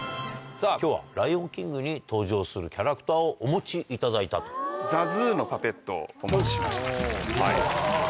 さぁ今日は『ライオンキング』に登場するキャラクターをお持ちいただいたと。をお持ちしました。